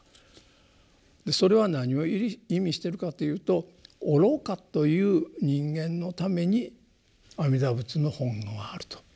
それは何を意味してるかというと愚かという人間のために阿弥陀仏の本願はあると。